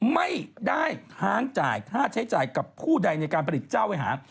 ไม่ได้ค้างจ่ายค่าใช้จ่ายกับผู้ใดในการผลิตเจ้าไว้หา